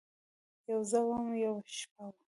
یوه زه وم ، یوه شپه وه